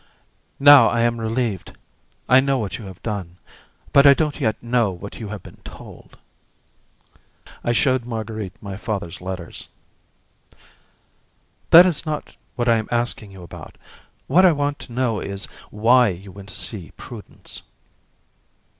"Now I am relieved. I know what you have done, but I don't yet know what you have been told." I showed Marguerite my father's letters. "That is not what I am asking you about. What I want to know is why you went to see Prudence."